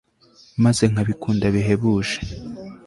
maze nkabikunda bihebuje